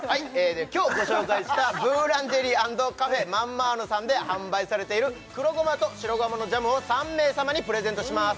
今日ご紹介したブーランジェリー＆カフェマンマーノさんで販売されている黒ごまと白ごまのジャムを３名さまにプレゼントします